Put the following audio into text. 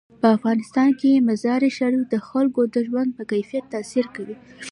په افغانستان کې مزارشریف د خلکو د ژوند په کیفیت تاثیر کوي.